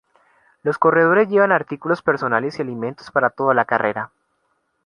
Los corredores llevan artículos personales y alimentos para toda la carrera.